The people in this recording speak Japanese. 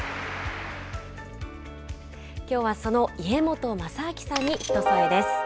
きょうは、その家本政明さんに「ひとそえ」です。